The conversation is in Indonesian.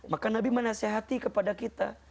maka nabi menasehati kepada kita